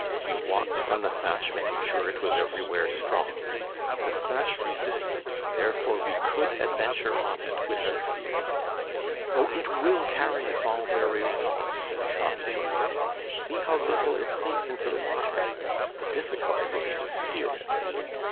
He walked on the thatch, making sure it was everywhere strong. The thatch resisted; therefore we could adventure on it without fear. "Oh! it will carry us all very well," said Jacques joyfully. "See how little it sinks into the water! The difficulty will be to steer it."